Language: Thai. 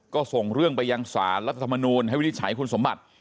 ก็ส่งเรื่องไปยังสารรัฐธรรมนูลให้วินิจฉัยคุณสมบัติ